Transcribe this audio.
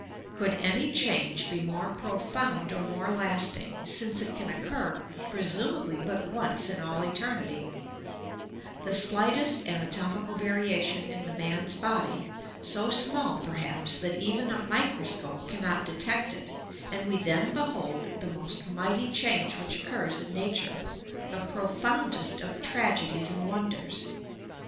Could any change be more profound or more lasting — since it can occur, presum ably but once in all eternity I The slightest anatomical variation in the man's body — so small, perhaps, that even a microscope cannot detect it — and we then behold the most mighty change which occurs in nature, the pro foundest of tragedies and wonders